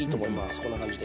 こんな感じで。